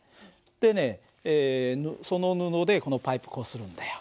でねその布でこのパイプこするんだよ。